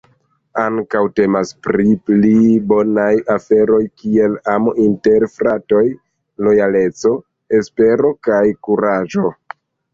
Ankaŭ temas pri pli bonaj aferoj kiel amo inter fratoj, lojaleco, espero kaj kuraĝo.